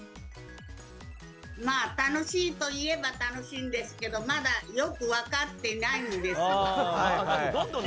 楽しいといえば楽しいんですけどまだよく分かってないんです。